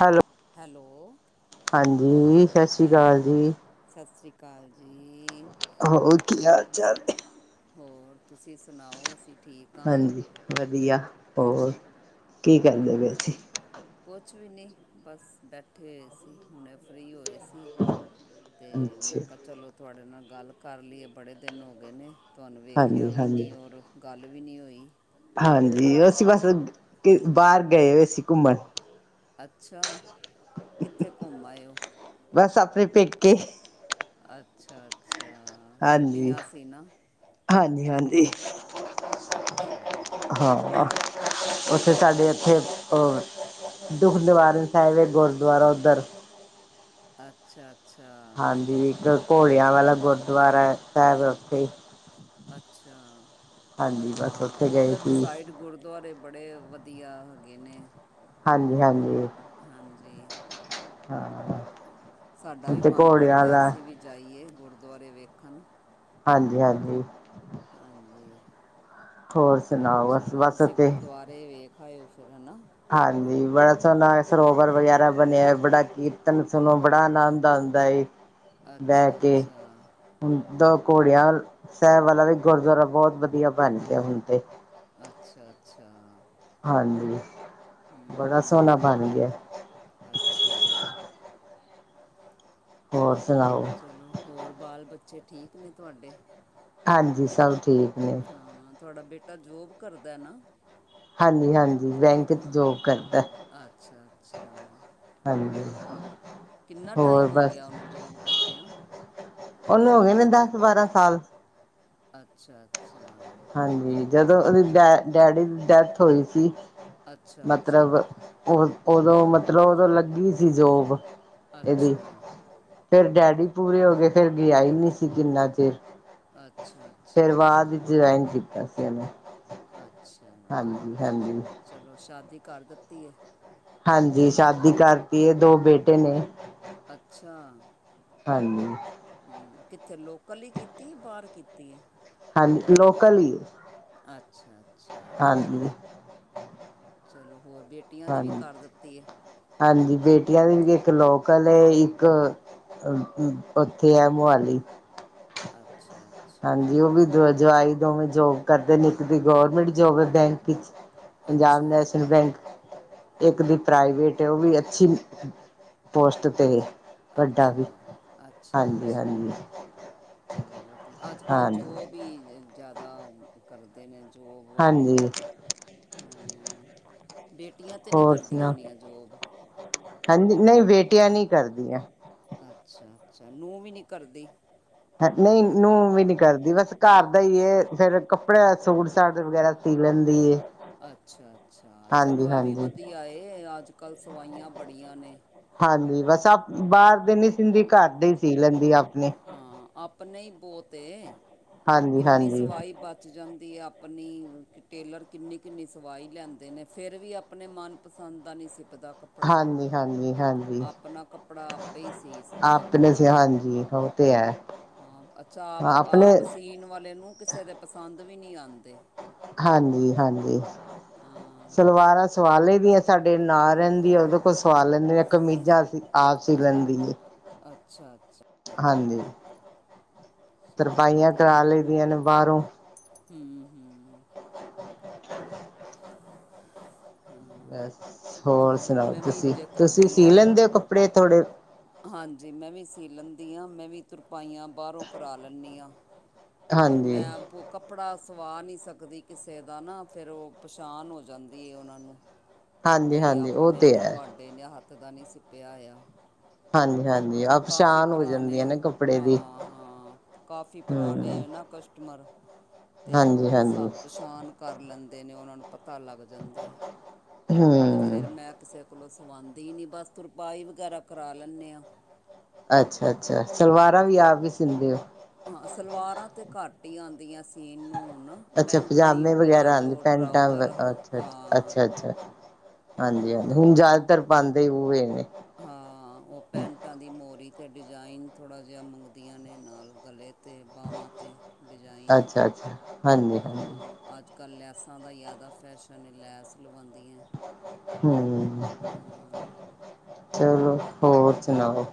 Hello hello. ਹਾਂਜੀ। ਸਤਿ ਸ਼੍ਰੀ ਅਕਾਲ ਹਾਂਜੀ, ਜੀ। ਸਤਿ ਸ਼੍ਰੀ ਅਕਾਲ ਜੀ। ਹੋਰ ਕੀ ਹਾਲ- ਚਾਲ ਨੇ ਹੋਰ ਤੁਸੀਂ ਸੁਣਾਓ ਅਸੀਂ ਠੀਕ ਹਾਂ ਹਾਂਜੀ, ਵਧੀਆ ਹੋਰ ਕੀ ਹੋਰ ਕਰਦੇ ਪਏ ਸੀਂ ਕੁਛ ਵੀ ਨਹੀਂ ਬਸ ਬੈਠੇ ਹੋਏ ਸੀ ਹੁਣੇ ਫ੍ਰਰੀ ਹੋਏ ਸੀ। ਤੇ ਮੈਂ ਅੱਛਾ। ਕਿਹਾ ਚਲੋ ਤੁਹਾਡੇ ਨਾਲ ਗੱਲ ਕਰ ਲਈਏ ਬੜੇ ਦਿਨ ਹੋ ਗਏ ਨੇ ਤੁਹਾਨੂੰ ਵੇਖਿਆ ਹਾਂਜੀ ਵੀ ਹਾਂਜੀ ਨਹੀਂ, ਔਰ ਗੱਲ ਵੀ ਨਹੀਂ ਹੋਈ। ਹਾਂਜੀ, ਉਹ ਅਸੀਂ ਬਸ ਬਾਹਰ ਗਏ ਹੋਏ ਸੀ ਘੁੰਮਣ ਅੱਛਾ, ਕਿੱਥੇ ਘੁੰਮ ਆਏ ਹੋ ਬਸ ਆਵਦੇ ਪੇਕੇ ਅੱਛਾ-ਅੱਛਾ। ਹਾਂਜੀ -ਹਾਂਜੀ! -ਹਾਂਜੀ। ਅੱਛਾ। ਹਾਂ ਉੱਥੇ ਸਾਡੇ ਹੋਰ ਇੱਥੇ ਹੋਰ ਦੁੱਖ ਨਿਵਾਰਨ ਸਾਹਿਬ ਗੁਰਦੁਆਰਾ ਉੱਧਰ ਅੱਛਾ- ਅੱਛਾ। ਹਾਂਜੀ, ਇੱਕ ਘੋੜਿਆਂ ਵਾਲਾ ਗੁਰਦੁਆਰਾ ਸਾਹਿਬ ਉੱਥੇ ਅੱਛਾ, ਹਾਂਜੀ ਬਸ ਹਾ ਉੱਥੇ ਗਏ ਉੱਧਰ ਦੀ ਸੀ। ਸਾਈਡ ਗੁਰ ਗੁਰਦੁਆਰੇ ਬੜੇ ਵਧੀਆ, ਹੈਗੇ ਨੇ ਘੁੰਮ ਹਾਂਜੀ ਹਾਂਜੀ ਹਾਂ ਸਾਡਾ ਵੀ ਮਨ ਕਰਦਾ ਅਸੀਂ ਵੀ ਜਾਈਏ, ਗੁਰਦੁਆਰੇ ਵੇਖਣ ਹਾਂਜੀ- ਹਾਂਜੀ। ਹਾਂਜੀ, ਹੋਰ ਸੁਣਾਓ ਬਸ ਅੱਛਾ ਬਸ ਤੁਸੀਂ ਉੱਥੇ ਗੁਰਦੁਆਰਾ‌ ਗਏ ਵੇਖ ਆਉਏ ਫਿਰ ਹਨਾ ਹਾਂਜੀ, ਬੜਾ ਸੋਹਣਾ ਸਰੋਵਰ ਵਗੈਰਾ ਬਣਿਆ, ਬੜਾ ਕੀਰਤਨ ਸੁਣੋ, ਬੜਾ ਆਨੰਦ ਆਉਂਦਾ ਏ ਬਹਿ ਅੱਛਾ ਕੇ ਅੱਛਾ ਹੁਣ ਤਾਂ ਘੋੜਿਆਂ ਸਾਹਿਬ ਵਾਲਾ ਵੀ ਗੁਰਦੁਆਰਾ ਬਹੁਤ ਵਧੀਆ ਬਣ ਗਿਆ ਹੁਣ ਤੇ ਅੱਛਾ-ਅੱਛਾ। ਹਾਂਜੀ ਬੜਾ ਸੋਹਣਾ ਬਣ ਗਿਆ। ਅੱਛਾ। ਹੋਰ ਸੁਣਾਓ? ਚਲੋ ਹੋਰ ਬਾਲ ਬੱਚੇ ਠੀਕ ਨੇ ਤੁਆਡੇ। ਹਾਂਜੀ ਸਭ ਠੀਕ ਨੇ ਹਾਂ ਤੁਆਡਾ ਬੇਟਾ ਜੋਬ ਕਰਦਾ ਨਾ? ਹਾਂਜੀ-ਹਾਂਜੀ ਬੈਂਕ ਚ ਹਾਂ ਜੋਬ ਕਰਦੈ। ਅੱਛਾ ਅੱਛਾ ਹੋਰ ਕੀਨਾ ਹੋਰ ਟਾਈਮ ਹੋ ਬਸ ਗੇਆ ਓਨੂੰ ਜੋਬ ਕਰਦੇਆਂ? ਓਨੂੰ ਹੋ ਗੇ ਨੇ ਦਸ-ਬਾਰਾਂ ਸਾਲ। ਆਛਾ-ਆਛਾ। ਹਾਂਜੀ, ਜਦੋਂ ਓਦੀ ਡੈ ਡੈਡੀ ਦੀ ਡੈਥ ਹੋਈ ਸੀ, ਅੱਛਾ ਅੱਛਾ ਮਤਲਬ ਓ ਓਦੋ ਮਤਲਬ ਓਦੋਂ ਲੱਗੀ ਸੀ ਜੋਬ, ਏਦੀ। ਅੱਛਾ ਫੇਰ ਡੈਡੀ ਪੂਰੇ ਹੋ ਗਏ ਫੇਰ ਗੇਆ ਈ ਨੀ ਸੀ ਕੀਨਾ ਚੇਰ। ਆਛਾ ਛਾ ਜੁਐਨ ਕੀਤਾ ਸੀ ਓਨੇ। ਆਛਾ ਹਾਂਜੀ ਚਲੋ ਸ਼ਾਦੀ ਕਰ ਦਿੱਤੀ ਐ? ਹਾਂਜੀ ਸ਼ਾਦੀ ਕਰਤੀ ਏ ਦੋ ਬੇਟੇ ਨੇ। ਅੱਛਾ। ਹਾਂਜੀ। ਹੂੰ ਕੀਤੇ ਲੋਕਲ ਈ ਕੀਤੀ ਏ, ਜਾਂ ਬਾਰ ਕੀਤੀ ਏ। ਹਾਂਜੀ ਲੋਕਲ, ਅੱਛਾ ਅੱਛਾ ਹਾਂਜੀ ਚਲੋ ਹੋਰ ਬੇ ਹਾਂ ਹਾਂਜੀ ਬੇਟੀਆਂ ਦੀ ਵੀ ਇਏਕ ਲੋਕਲੇ ਈਕ ਏਕ ਥੇ ਐ ਮੋਹਾਲੀ। ਆਛਾ। ਹਾਂਜੀ ਓ ਵੀ ਜਵਾਈ ਦੋਵੇਂ ਜੋਬ ਕਰਦੇ ਨੇ ਏਕ ਦੀ ਗੌਰਮੈਂਟ ਜੋਬ ਐ ਬੈਂਕ ਵੀਚ ਪੰਜਾਬ ਅੱਛਾ ਨੈਸ਼ਨਲ ਬੈਂਕ ਇੱਕ ਦੀ ਪ੍ਰਾਈਵੇਟ ਐ ਓ ਵੀ ਅੱਛੀ, ਪੋਸਟ ਤੇ ਏ। ਆਛਾ-ਆਛਾ-ਆਛਾ। ਹਾਂਜੀ ਚਲੋ ਵਧੀਆ ਅੱਜ-ਕੱਲ ਹਾਂਜੀ ਜੋਬ ਈ ਜਾਦਾ ਕਰਦੇ ਨੇ ਜੋਬ ਵਾਲੀ ਹਾਂਜੀ ਹੂੰ ਬੇਟੀਆਂ ਤੇ ਨੀ ਹੋਰ ਕਰਦੀਆਂ ਸੁਣਾ ਓਨੀਆ ਜੋਬ? ਹਾਂਜੀ ਨਈ ਬੇਟੀਆਂ ਨੀ ਕਰਦੀਆ। ਆਛਾ-ਆਛਾ ਨੋ ਵੀ ਨੀ ਕਰਦੀ? ਨਹੀਂ ਨੋ ਵੀ ਨੀ ਕਰਦੀ ਬਸ ਘਰ ਦਾ ਈ ਏ ਫੇਰ ਕੱਪੜੇ ਸੂਟ-ਸਾਟ ਵਗੈਰਾ ਸੀ ਲੈਦੀ ਏ। ਆਛਾ-ਅਛਾ ਚਲੋ ਐ ਵੀ ਵਧੀਆ ਏ ਅੱਜ-ਕੱਲ ਸਵਾਈਆਂ ਬੜੀਆਂ ਨੇ। ਹਾਂਜੀ, ਬਸ ਪ ਬਾਰ ਦੇ ਨੀ ਸੀਦੀ ਘਰ ਦੇ ਈ ਸੀ ਲੈਂਦੀ ਆਪਣੇ। ਹਾਂ, ਆਪਣੇ ਈ ਬੌਤ ਏ ਹਾਂਜੀ ਕੀਨੀ ਹਾਂਜੀ ਸਵਾਈ ਬ ਬਚ ਜਾਂਦੀ ਐ ਆਪਣੀ ਟੇਲਰ ਕੀਨੀ-ਕੀਨੀ ਸਵਾਈ ਲੈਂਦੇ ਨੇ ਫੇਰ ਵੀ ਆਪਣੇ ਮਨ ਚ ਪਸੰਦ ਦਾ ਨੀ ਸੀ ਨੀ ਪਤਾ ਕੱਪੜਾ, ਹਾਂਜੀ ਹਾਂਜੀ ਹਾਂਜੀ ਆਪਣਾ ਕੱਪੜਾ ਆਪੇ ਈ ਸੀ ਸਕਦਾ ਐ ਆਪਣੇ ਸੇ ਬੰਦਾ। ਹਾਂਜੀ ਉਹ ਤੇ ਹੈ ਹਾਂ ਅੱਛਾ ਆਵ ਆਪਣੇ ਆਪ ਸੀਨ ਵਾਲੇ ਨੂੰ ਕੀਸੇ ਦੇ ਪਸੰਦ ਵੀ ਨੀ ਆਂਦੇ। ਹਾਂਜੀ-ਹਾਂਜੀ। ਹਾਂ। ਸਲਵਾਰਾਂ ਸਵਾ ਲਈਦੀਆਂ ਸਾਡੇ ਨਾਲ ਰੈਂਦੀ ਏ ਓਦੇ ਕੋਲ ਸਵਾ ਲੈਂਦੇ ਨੇ ਕਮੀਜ਼ਾਂ ਅਸੀਂ ਆਪ ਸੀ ਲੈਂਦੀ ਏ। ਅੱਛਾ ਅੱਛਾ। ਹਾਂਜੀ, ਚਲੋ ਤਰਪਾਈਆਂ ਵਧੀਆ ਕਰਾ ਲਈ ਦੀਆਂ ਨੇ ਬਾਹਰੋਂ। [unintelligible] ਹਾਂ ਹੋਰ ਚਲੋ ਸੁਣਾਓ, ਮੈਂ ਵੀ ਤੁਸੀਂ ਇੰਜੇ ਤੁਸੀਂ ਕਰਦੀ ਸੀ ਹਾਂ ਲੈਂਦੇ ਹੋ ਕੱਪੜੇ ਥੋੜੇ ਹਾਂਜੀ, ਮੈਂ ਵੀ ਸੀ ਲੈਂਦੀ ਹਾਂ ਮੈਂ ਵੀ ਤੁਰਪਾਈਆਂ ਬਾਹਰੋਂ ਕਰਾ ਲੈਂਦੀ ਹਾਂ। ਪਰ ਹਾਂਜੀ ਮੈਂ ਆਪੁ ਕੱਪੜਾ ਸਵਾ ਨਹੀਂ ਸਕਦੀ ਕਿਸੇ ਦਾ ਨਾ, ਫਿਰ ਉਹ ਪਛਾਣ ਹੋ ਜਾਂਦੀ ਹੈ ਉਹਨਾਂ ਨੂੰ ਹਾਂਜੀ ਬਈ ਹਾਂਜੀ ਉਹ ਆਪਣੇ ਤੇ ਨੀ ਹੈ ਤੁਹਾਡੇ ਨੇ ਹੱਥ ਦਾ ਨਹੀਂੀ ਸਿਪਿਆ ਆਇਆ। ਹਾਂਜੀ ਹਾਂਜੀ ਆ ਕਾਫੀ ਪਛਾਣ ਹੋ ਜਾਂਦੀ ਪੁਰਾਣੇ ਹੈ ਨਾ ਕੱਪੜੇ ਦੀ ਹਾਂ ਹਾਂ ਕਾਫੀ ਪੁਰਾਣੇ ਹਮ ਨਾ ਕਸਟਮਰ ਤੇ ਉਹ ਹਾਂਜੀ ਪਸਾ ਹਾਂਜੀ ਪਛਾਣ ਕਰ ਲੈਂਦੇ ਨੇ ਉਹਨਾਂ ਨੂੰ। ਪਤਾ ਲੱਗ ਜਾਂਦਾ, ਤੇ ਹਮ ਫਿਰ ਮੈਂ ਕਿਸੇ ਕੋਲੋਂ ਸਵਾਉਂਦੀ ਹੀ ਨੀ ਬਸ ਤਰਪਾਈ ਵਗੈਰਾ ਕਰਾ ਲੈਂਨੇ ਆਾਂ। ਅੱਛਾ ਅੱਛਾ ਸਲਵਾਰਾਂ ਵੀ ਆਪ ਕੇ ਸੀਲਦੇ ਹੋ ਹਾਂ, ਸਲਵਾਰਾਂ ਤੇ ਘੱਟ ਹੀ ਆਂਦੀਆਂ ਸੀਨ ਨੂੰ ਹੁਣ। ਅੱਛਾ ਪੈਂਟਾਂ ਹੀ ਪਜਾਮੇ ਵਗੈਰਾ ਪਲਾਜੋ ਪੈਂਟਾਂ ਟਰਾਊਜ਼ਰ ਹਾਂ ਅਛਾ ਹਾਂ ਅਛਾ ਅਛਾ ਹਾਂਜੀ ਹਾਂਜੀ ਹੁਣ ਉਹ ਜ਼ਿਆਦਾਤਰ ਪਾਉਂਦੇ ਉਹ ਇਹ ਨੇ‌। ਹਾਂ, ਉਹ ਪੈਂਟਾਂ ਦੀ ਮੂਰੀ ਅਤੇ ਡਿਜ਼ਾਇਨ ਥੋੜ੍ਹਾ ਜਿਹਾ ਮੰਗਦੀਆਂ ਨੇ ਨਾਲ ਗਲੇ ਤੇ ਅਤੇ ਬਾਹਵਾਂ 'ਤੇ ਡਿਜ਼ਾਇਨ। ਅੱਛਾ ਹਾਂਜੀ ਹ ਅੱਜ ਕੱਲ ਲੈਸਾਂ ਦਾ ਜ਼ਿਆਦਾ ਫੈਸ਼ਨ ਲੈਸ ਲਵਾਉਂਦੀਆਂ। ਹਮ, ਚਲੋ ਹੋਰ ਸੁਣਾਓ।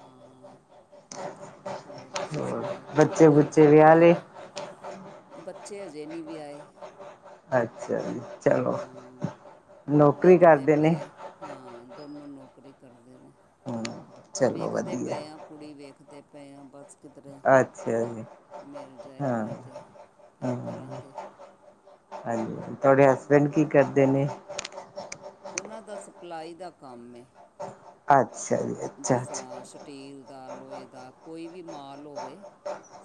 ਹਾਂ। [inaudible] ਹੋਰ ਤੁਸੀਂ ਹੋਰ ਸੁਣਾਓ, ਤੁਹਾਡੇ ਬੱਚੇ ਘਰ ਬੁੱਚੇ ਸਭ ਵਿਆਹ ਠੀਕ ਲਏ ਹੈ? ਬੱਚੇ ਅਜੇ ਨਹੀਂ ਵੀ ਆਏ। ਅੱਛਾ ਜੀ ਚਲੋ, ਹਾਂ ਨੌਕਰੀ ਵੇਖਦੇ ਕਰਦੇ ਨੇ? ਪਏ ਹਾਂ ਹਾਂ ਦੋਨੋਂ ਨੌਕਰੀ ਕਰਦੇ ਨੇ, ਹੂੰ ਚਲੋ ਵੇਖਦੇ ਵਧੀਆ ਪਏ ਆ। ਕੁੜੀ ਵੇਖਦੇ ਪਏ ਆ ਬਸ। ਕਿਧਰੇ, ਅੱਛਾ ਜੀ ਮਿਲ ਜਾਏ, ਹਾਂ ਕੋਈ ਤੇ ਫਿਰ ਹਾਂ ਕਰਾਂਗੇ। ਹਾਂਜੀ ਤੁਹਾਡੇ ਹਸਬੈਂਡ ਕੀ ਕਰਦੇ ਨੇ ਉਹਨਾਂ ਦਾ ਸਪਲਾਈ ਦਾ ਕੰਮ ਏ। ਅੱਛਾ ਜੀ। ਅੱਛਾ-ਅੱਛਾ ਜਿਸਰ੍ਹਾਂ ਸਟੀਲ ਦਾ, ਲੋਹੇ ਦਾ, ਕੋਈ ਵੀ ਮਾਲ ਹੋਵੇ।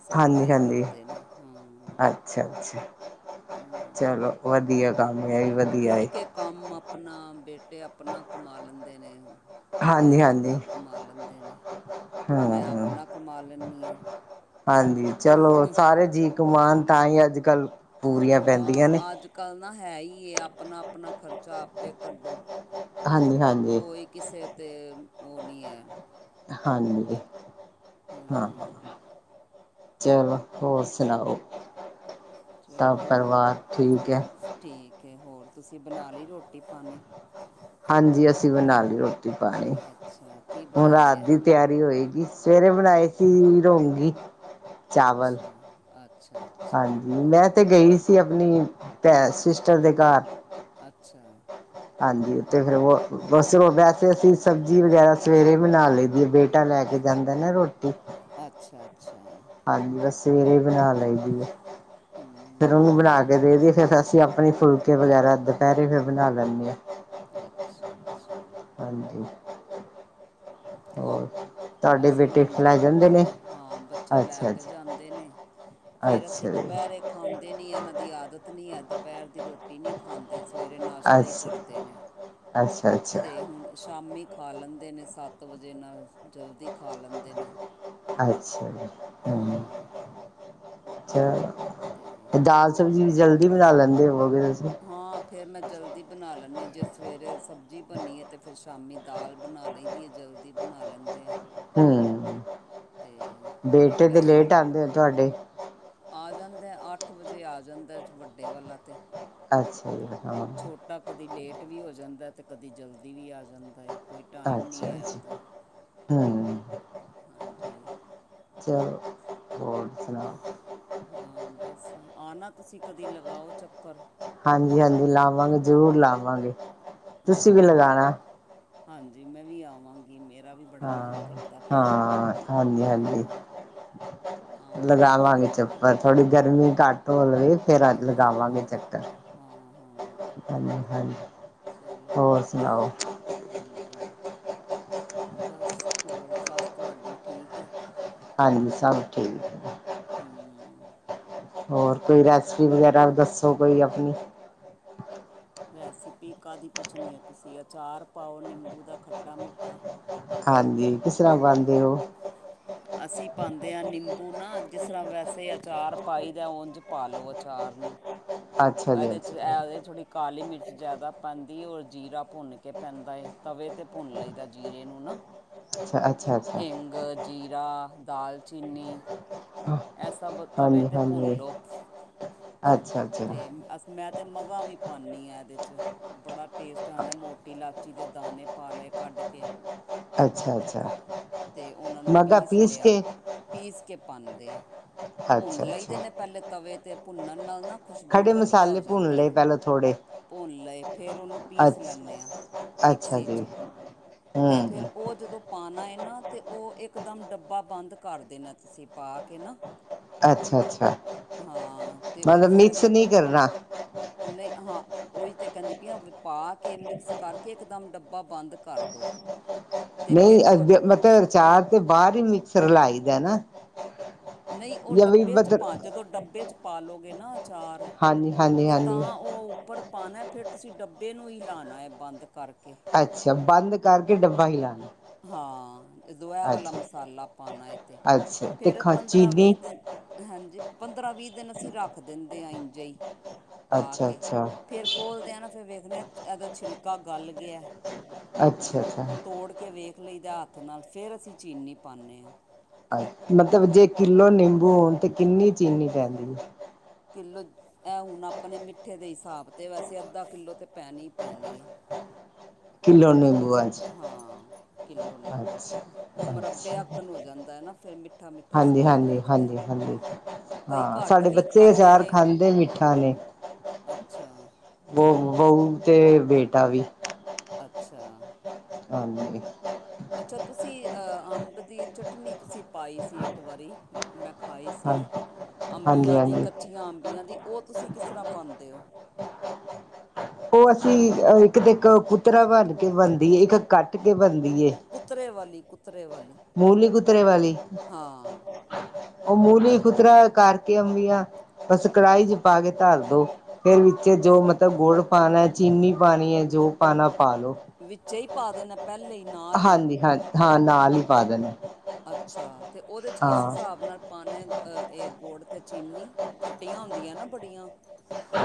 ਸਪਲਾਈ ਹਾਂਜੀ-ਹਾਂਜੀ ਕਰਦੇ ਨੇ ਹਾ ਹਾਂ ਅੱਛਾ ਅੱਛਾ, ਚਲੋ ਵਧੀਆ ਕੰਮ ਹੈ ਈਹਵੀ ਹਾਂ ਵਧੀਆ ਅੇ। ਠੀਕ ਹੈ ਕੰਮ ਆਪਣਾ, ਬੇਟੇ ਆਪਣਾ ਕਮਾ ਲੈਂਦੇ ਨੇ। ਐਹ ਹਾਂਜੀ ਹਾਂਜੀ ਆਪਣਾ ਕਮਾ ਲੈਂਦੇ ਨੇ। ਮੈਂ ਹਮ ਆਪਣਾ ਕਮਾ ਲੈਂਦੀ ਆ ਹਾਂਜੀ ਚਲੋ ਸਾਰੇ ਜੀ ਕਮਾਨ ਤਾਂ ਹੀ ਅੱਜ ਕੱਲ੍ਹ ਹਾਂ ਅੱਜਕੱਲ੍ਹ ਨਾ ਹੈ ਹੀ, ਆਪਣਾ ਆਪਣਾ ਖ਼ਰਚਾ ਆਪੇ ਕੱਢੋ। ਹਾਂਜੀ ਹਾਂਜੀ। ਕੋਈ ਕਿਸੇ 'ਤੇ ਉਹ ਨਹੀਂ ਅੇ। ਹਾਂਜੀ, ਹਾਂ। ਚਲੋ, ਹੋਰ ਸੁਣਾਓ? ਚਲੋ, ਸਭ ਹੋਰ ਪਰਿਵਾਰ ਠੀਕ ਹੈ ਠੀਕ ਹੈ, ਹੋਰ ਤੁਸੀਂ ਬਣਾ ਲਈ ਰੋਟੀ ਪਾਣੀ? ਹਾਂਜੀ, ਅਸੀਂ ਬਣਾ ਲਈ ਰੋਟੀ ਪਾਣੀ ਅੱਛਾ ਕੀ ਹੁਣ ਬਣਾ ਰਾਤ ਲਿਆ ਦੀ ਤਿਆਰੀ ਹੋਏਗੀ, ਸਵੇਰੇ ਬਣਾਏ ਸੀ ਰੋਂਗੀ ਚਾਵਲ ਅੱਛਾ, ਅੱਛਾ, ਅੱਛਾ। ਲੈ ਤੇ ਗਈ ਸ ਸੀ ਆਪਣੀ ਪੈ ਸਿਸਟਰ ਦੇ ਘਰ। ਅੱਛਾ। ਹਾਂਜੀ, ਤੇ ਫਿਰ ਵੈਸੇ ਅਸੀਂ, ਸਬਜ਼ੀ ਵਗੈਰਾ ਸਵੇਰੇ ਬਣਾ ਲਈਦੀ ਹੈ ਬੇ। ਟਾ ਲੈ ਕੇ ਜਾਂਦਾ ਨਾ ਰੋਟੀ। ਅੱਛਾ-ਅੱਛਾ। ਹਾਂਜੀ, ਬਸ ਸਵੇਰੇ ਬਣਾ ਲਈਦੀ ਐ। [unintelligible] ਫੇਰ ਉਹਨੂੰ ਬਣਾ ਕੇ ਦੇ ਦੀਏ, ਫਿਰ ਅਸੀਂ ਆਪਣੇ ਫੁਲਕੇ ਵਗੈਰਾ ਦੁਪਹਿਰੇ ਫਿਰ ਬਣਾ ਲੈਂਦੇ ਆ। ਅੱਛਾ-ਅੱਛਾ। ਹਾਂਜੀ। ਹੋਰ ਚਲੋ, ਤੁਹਾਡੇ ਅਸੀਂ ਵੀ ਬੇਟੇ ਇੰਜਏ ਲੈ ਜਾਂਦੇ ਕਰਦੇ ਨੇ ਆ, ਬੱਚੇ ਲੈ ਅੱਛਾ ਕੇ ਅੱਛਾ ਜਾਂਦੇ ਨੇ। ਫੇਰ, ਅਸੀਂ ਅੱਛਾ ਜੀ ਦੁਪਹਿਰੇ ਖਾਂਦੇ ਨੀ, ਇਹਨਾਂ ਦੀ ਆਦਤ ਨੀ ਐ ਦੁਪਹਿਰ ਦੀ ਰੋਟੀ ਰੋਟੀ ਨਹੀਂ ਖਾਂਦੇ, ਸਵੇਰੇ ਨਾਸ਼ਤਾ ਹੀ ਕਰਦੇ ਨੇ। ਅੱਛਾ-ਅੱਛਾ। ਤੇ, ਹੁਣ ਸ਼ਾਮੀ ਖਾ ਲੈਂਦੇ ਨੇ, ਸੱਤ ਵਜੇ ਨਾਲ ਜਲਦੀ ਖਾ ਲੈਂਦੇ ਨੇ। ਅੱਛਾ ਜ ਹਾਂ ਤੇ ਚਲੋ ਦਾਲ ਸਬਜ਼ੀ ਜਲਦੀ ਬਣਾ ਲੈਂਦੇ ਹੋਵੋਗੇ ਤੁਸੀਂ। ਹਾਂ, ਫਿਰ ਮੈਂ ਜਲਦੀ ਬਣਾ ਲੈਂਦੀ ਆ, ਜੇ ਸਵੇਰੇ ਸਬਜ਼ੀ ਬਣੀਏ ਤਾਂ ਫਿਰ ਸ਼ਾਮੀ ਦਾਲ ਬਣਾ ਲਈ ਦੀ ਏ, ਜਲਦੀ ਬਣਾ ਲੈਂਦੇ ਆ। ਹੂੰ। ਤੇ ਫਿਰ ਤੇ ਟੈਮ ਲੇਟ ਨਾ ਆਉਂਦੇ ਹੋ ਤੁਹਾਡੇ ਆ ਜਾਂਦਾ ਅੱਠ ਵਜੇ, ਆ ਜਾਂਦਾ ਵੱਡੇ ਵਾਲਾ 'ਤੇ। ਅੱਛਾ ਜੀ। ਤਾ, ਕਦੀ ਲੇਟ ਵੀ ਹੋ ਜਾਂਦਾ, ਤੇ ਕਦੇ ਜਲਦੀ ਵੀ ਆ ਜਾਂਦਾ ਅੇ ਕੋਈ ਟਾਈਮ ਨਹੀਂ ਹੈ ਉਹਦਾ। ਹੂੰ। ਹਾਂਜੀ। ਚਲੋ, ਹੋਰ ਸੁਣਾ? ਹਾਂ ਬਸ ਆਨਾ, ਤੁਸੀਂ ਕਦੀ ਲਗਾਔ ਚੱਕਰ। ਹਾਂਜੀ-ਹਾਂਜੀ, ਲਾਵਾਂਗੇ ਜ਼ਰੂਰ ਲਾਵਾਂਗੇ, ਤੁਸੀਂ ਵੀ ਹਾਂ ਲਗਾਣਾ। ਹਾਂਜੀ, ਮੈਂ ਵੀ ਆਵਾਂਗੀ ਮੇਰਾ ਵੀ ਬੜਾ ਹਾਂ ਮਨ ਕਰਦਾ ਪਿਆ, ਹਾਂ ਹਾਂਜੀ ਹਾਂਜੀ ਹੁੰ, ਆਵਾਂਗੀ ਲਗਾਵਾ- ਪਰ ਥੋੜ੍ਹੀ ਗਰਮੀ ਘੱਟ ਹੋ ਲਵੇ। ਫੇਰ ਆਜ ਹਾਂ ਲਗਾਵਾਂਗੇ ਚੱਕਰ, ਹਾਂ ਹਾਂ ਹਾਂਜੀ। ਚਲੋ ਹੋਰ ਸੁਣਾਓ। ਹਾਂਜੀ, ਬਸ ਹੋਰ ਸੱਸ ਤੁਆਡੀ ਠੀਕ ਏ। ਹਾਂਜੀ, ਸਭ ਠੀਕ। ਹੁੰ। ਹੋਰ, ਕੋਈ ਰੈਸਪੀ ਵਗੈਰਾ ਦੱਸੋ ਕੋਈ ਅਪਣੀ। ਰੈਸਿਪੀ ਕਾੱਦੀ ਪੁੱਛਣੀ ਏ, ਤੁਸੀਂ ਅਚਾਰ ਪਾਓ ਨਿੰਬੂ ਦਾ ਖੱਟਾ-ਮਿੱਠਾ। ਹਾਂਜੀ, ਕਿਸ ਤਰ੍ਹਾਂ ਪਾਂਦੇ ਔ। ਅਸੀਂ ਪਾਂਦੇ ਅ ਨਿੰਬੂ ਨਾ ਜਿਸ ਤਰ੍ਹਾਂ ਵੈਸੇ ਅਚਾਰ ਪਾਈ ਦਾ ਔਂਝ ਪਾਲੋ ਅਚਾਰ ਨੂੰ। ਅੱਛਾ ਜੀ ਏਦੇ ਚ ਅੱਛਾ ਐ ਥੋੜੀ ਕਾਲੀ ਮਿਰਚ ਜ਼ਾਦਾ ਪੈਂਦੀ, ਔਰ ਜੀਰਾ ਪੁੰਨ ਕੇ ਪੈਂਦਾ ਏ, ਤਵੇ ਤੇ ਪੁੰਨ ਲਈਦਾ ਜੀਰੇ ਨੂੰ ਨਾ। ਅੱਛ-ਅੱਛਾ। ਹੇੰਗ, ਜੀਰਾ, ਦਾਲਚੀਨੀ। ਐ ਸਭ ਤਵੇ ਹਾਂਜੀ ਤੇ ਪੁੰਨ ਹਾਂਜੀ ਲੋ। ਅੱਛਾ। ਅੱਛਾ ਤੇ ਮੈਂ, ਤੇ ਮਗਾਂ ਵੀ ਪਾਂਦੀ ਆਂ ਐਦੇ ਚ। ਬੜਾ ਟੇਸਟ ਆਂਦਾ। ਮੋਟੀ ਲਾਚੀ ਦੇ ਦਾਣੇ ਪਾ ਲੇ ਕੱਢ ਕੇ। ਅੱਛਾ-ਅੱਛਾ। ਤੇ ਔਨਾਂ ਨੂੰ, ਪੀਸ ਲੇਆ ਪੀਸ ਕੇ ਪਾਨਦੇ ਆਂ। ਪੁੰਨ ਅੱਛਾ ਲਈ ਦੇ ਅੱਛਾ ਨੇ, ਪੈਲੇ ਤਵੇ ਤੇ ਪੁੰਨਣ ਨਾਲ ਨਾ ਖੁਸ਼ਬੂ ਖੜੇ ਵਧੀਆ ਹੋ ਮਸਾਲੇ ਭੁੰਨ ਜਾਂਦੀ ਲਏ ਏ। ਪਹਿਲਾਂ ਥੋੜੇ ਪੁੰਨ ਲਏ ਫੇਰ ਔਨੂੰ ਪੀਸ ਅੱ ਲੈਂਨੇ ਹਾਂ। ਅੱਛਾ ਜੀ। ਤੇ ਹਮ ਫਿਰ ਔ ਜਦੋਂ ਪਾਣਾ ਏ ਨਾ ਤੇ ਔ ਏਕਦਮ ਡੱਬਾ ਬੰਦ ਕਰ ਦੇਣਾ ਤੁਸੀਂ ਪਾ ਕੇ ਨਾ। ਅੱਛਾ-ਅੱਛਾ, ਹਾਂ ਮਤਲਬ ਮਿਕਸ ਨੀ ਕਰਨਾ। ਨਈ ਹਾਂ। ਔਈ, ਤੇ ਕੈਂਦੀ ਪੀਆਂ ਪਾ ਕੇ ਮਿਕਸ ਕਰਕੇ ਇਕਦਮ ਡੱਬਾ ਬੰਦ ਕਰ ਦੋ। ਤੇ ਨਈ, ਫਿਰ ਥੋੜ ਅ ਮਤਲਬ ਅਚਾਰ, ਤੇ ਬਾਦ ਈ ਮਿਕਸ ਰਲਾਈ ਦੈ ਨਾ। ਨਈ ਔ ਜਾਂ ਵੀ ਡੱਬੇ 'ਚ ਪਾ, ਮਤਲਬ ਜਦੋਂ ਡੱਬੇ ਚ ਪਾ ਲੋ ਗੇ ਨਾ ਚਾਰ ਹਾਂਜੀ ਹਾਂਜੀ ਤੇ ਹਾਂਜੀ ਤਾਂ ਔ ਉੱਪਰ ਪਾਣਾ ਫੇਰ ਤੁਸੀਂ ਡੱਬੇ ਨੂੰ ਹੀਲਾਣਾ ਐ ਬੰਦ ਕਰਕੇ। ਅੱਛਾ, ਬੰਦ ਕਰਕੇ ਡੱਬਾ ਹੀਲਾਣਾ ਐ। ਹਾਂ, ਜਦੋ ਐ ਵਾਲਾ ਮਸਾਲਾ ਪਾਣਾ ਏ ਤੇ। ਅੱਛਾ ਤੇ ਫੇਰ ਖਾ ਚੀਨੀ ਪੰਦਰਾਂ-ਵੀਹ ਦਿਨ ਹਾਂਜੀ, ਪੰਦਰਾਂ-ਵੀਹ ਦਿਨ ਅਸੀਂ ਰੱਖ ਦਿੰਦੇ ਆਂ। ਇੰਝੇ ਈ ਪਾ ਅੱਛਾ ਕੇ ਅੱਛਾ ਫੇਰ ਖੋਲਦੇ ਨਾ, ਫਿਰ ਵੇਖਨੇ ਆ ਏਦਾ ਛਿਲਕਾ ਗਲ ਗਿਆ। ਅੱਛਾ-ਅੱਛਾ। ਤੋੜ ਕੇ ਵੇਖ ਲਈਦਾ ਹੱਥ ਨਾਲ ਫੇਰ, ਅਸੀਂ ਚੀਨੀ ਪਾਨੇ ਆਂ। ਮਤਲਬ, ਜੇ ਕਿੱਲੋ ਨਿੰਬੂ ਹੋਣ ਤੇ ਕਿੰਨੀ ਚੀਨੀ ਪੈਂਦੀ ਏ। ਕਿੱਲੋ ਐ ਹੁਣ ਅਪਣੇ ਮਿੱਠੇ ਦੇ ਹਿਸਾਬ ਦੇ ਵੈਸੇ ਅੱਧਾ ਕਿੱਲੋ ਤੇ ਪੈਣੀ ਪੈਣੀ ਏ। ਕਿਲੋ ਨੀਬੂ ਐ। ਹਾਂ, ਕਿੱਲੋ ਨਿੰਬੂ ਚ ਔ ਮੁਰੱਬੇ ਆਕਣ ਹੋ ਜਾਂਦਾ ਐ ਨਾ ਫਿਰ ਮਿ ਹਾਂਜੀ-ਹਾਂਜੀ, ਹਾਂਜੀ-ਹਾਂਜੀ। ਕਈ ਹਾਂ ਘੱਟ ਸਾਡੇ ਵੀ ਬੱਚੇ ਖਾਂਦੇ ਸਾਰਾ ਨੇ ਖਾਂਦੇ ਮਿੱਠਾ ਨੇ ਅੱਛਾ। ਬਹੁ ਬਹੁ ਤੇ ਬੇਟਾ ਵੀ। ਅੱਛਾ। ਹਾਂਜੀ। ਅੱਛਾ ਤੁਸੀਂ ਅ ਅੰਬ ਦੀ ਚਟਨੀ ਤੁਸੀਂ ਪਾਈ ਸੀ ਇੱਕ ਵਾਰੀ। ਮੈਂ ਖਾਈ ਸੀ ਹਾਂ ਹਾਂਜੀ ਅੰਬੀਆਂ ਦੀ ਹਾਂਜੀ ਕੱਚ ਚੀਆਂ ਅੰਬੀਆਂ ਦੀ ਉਹ ਤੁਸੀਂ ਕਿਸ ਤਰ੍ਹਾਂ ਪਾਉਂਦੇ ਓ। ਉਹ ਅਸੀਂ ਅ ਇੱਕ ਤੇ ਇੱਕ ਕੁੱਤਰਾ ਕਰਕੇ ਬਣਦੀ ਏ ਇੱਕ ਕੱਟ ਕੇ ਬਣਦੀ ਏ। ਕੁੱਤਰੇ ਵਾਲੀ ਕੁੱਤਰੇ ਵਾਲੀ। ਮੂਲੀ ਕੁੱਤਰੇ ਵਾਲੀ, ਹਾਂ ਉਹ ਮੂਲੀ ਕੁੱਤਰਾ ਕਰ ਕੇ, ਅੰਬੀਆ ਬਸ ਕੜਾਹੀ, ਚੱ ਪਾ ਕੇ ਧਰ ਦੋ ਫਿਰ ਵਿੱਚ, ਜੋ ਮਤਲਬ ਗੁੜ ਪਾਣਾ -ਚੀਨੀ ਪਾਣੀ ਏ ਜੋ ਪਾਉਣਾ ਪਾ ਲੋ ਵਿੱਚ ਹੀ ਪਾ ਦੇਣਾ ਪਹਿਲੇ ਹੀ ਨਾਲ ਹੀ ਹਾਂਜੀ, ਹਾਂ -ਹਾਂ ਨਾਲ ਹੀ ਪਾ ਦੇਣਾ ਅੱਛਾ, ਤੇ ਉਹਦੇ 'ਚ ਕਿਸ ਹਾਂ ਹਿਸਾਬ ਨਾਲ ਪਾਣਾ ਇਹ ਗੁੜ, ਅਤੇ ਚੀਨੀ, ਖੱਟੀਆਂ ਹੁੰਦੀਆਂ ਨਾ ਬੜੀਆਂ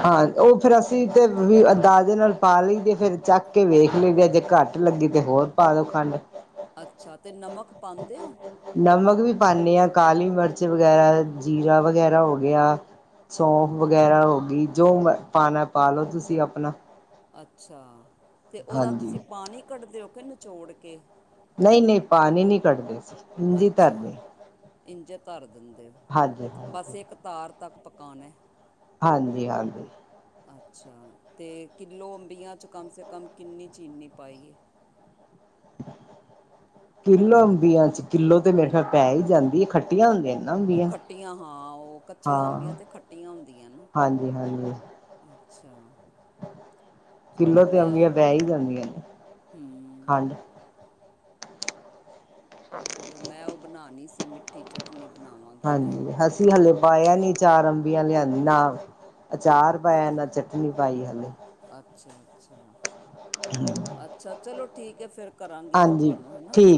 ਹਾਂ, ਉਹ ਫਿਰ ਅਸੀਂ ਤੇ, ਵੀ ਅਂਦਾਜੇ ਨਾਲ ਪਾ ਲਈ ਦੇ, ਫਿਰ ਚੱਖ ਕੇ ਵੇਖ ਲਈ, ਦੀਆ ਜੇ ਘੱਟ ਘੱਟ ਲੱਗੀ, ਤੇ ਹੋਰ ਪਾ ਦੋ ਖੰਡ, ਅੱਛਾ, ਤੇ ਨਮਕ ਪਾਦੇ ਹੋ? ਨਮਕ ਵੀ, ਪਾਨੀ ਆ, ਕਾਲੀ ਮਿਰਚ, ਵਗੈਰਾ ਜੀਰਾ ਵਗੈਰਾ, ਹੋ ਗਿਆ ਸੌਂਫ ਵਗੈਰਾ ਹੋ ਗਈ, ਜੋ ਪਾਣਾ ਪਾ ਲੋ ਤੁਸੀਂ ਆਪਣਾ ਅੱਛਾ, ਤੇ ਉਹਦਾ ਹਾਂਜੀ ਤੁਸੀਂ ਪਾਣੀ ਕੱਢਦੇ ਔ ਕਿ ਨਿਚੋੜ ਕੇ ਨਹੀਂ -ਨਹੀਂ ਪਾਣੀ ਨਹੀਂ ਕੱਢਦੇ ਸੀ। ਇੰਝੀ ਅੱਛਾ, ਧਰਦੇ ਇੰਜੇ ਧਰ ਦਿੰਦੇ ਔ, ਹਾਂਜੀ ਬਸ ਹਾਂਜੀ ਇੱਕ ਤਾਰ ਤੱਕ, ਪਕਾਣਾ ਹਾਂਜੀ- ਹਾਂਜੀ ਅੱਛਾ, ਤੇ ਕਿੱਲੋ ਅੰਬੀਆਂ 'ਚ, ਕਂਮ ਸੇ ਕਂਮ ਕਿੰਨੀ ਚੀਨੀ ਪਾਈਏ? ਕਿੱਲੋ ਅੰਬੀਆਂ ਚ, ਕਿੱਲੋ ਤੇ ਮੇਰੇ ਖਿਆਲ ਪੈ ਈ ਜਾਂਦੀ ਏ ਖੱਟੀ ਖੱਟੀਆਂ ਹਾਂ, ਉਹ ਕੱਚੀਆਂ ਅੰਬੀਆਂ ਹਾਂ ਤੇ ਖੱਟੀਆਂ ਹੁੰਦੀਆਂ ਨਾ ਹਾਂਜੀ ਹਾਂਜੀ ਅੱਛਾ ਚਲੋ ਕਿੱਲੋ ਤੇ ਮੈਂ, ਅੰਬੀਆਂ ਪੈ ਹੀ ਜਾਂਦੀਆਂ ਨੇ ਹਮ ਖੰਡ ਚਲੋ, ਮੈਂ ਉਹ ਬਣਾਣੀ ਸੀ ਮਿੱਠੀ ਚਟਨੀ, ਬਣਾਵਾਂਗੀ ਮੈਂ ਤੁਸੀਂ ਹਲੇ ਪਾਇਆ ਨਈ ਚਾਰ, ਅੰਬੀਆਂ ਲਿਆਂਦੀ ਨਾ ਅਚਾਰ ਪਾਇਆ ਨਾ ਚਟਨੀ, ਪਾਈ ਏ ਹਾਲੇ ਅੱਛਾ- ਅੱਛਾ ਹਮ [unintelligible] [inaudible] ਅੱਛਾ, ਚਲੋ ਠੀਕ ਏ, ਫਿਰ ਕਰਾਂਗੀ ਮੈਂ ਤੁਹਾਨੂੰ ਹਨਾ ਠੀਕ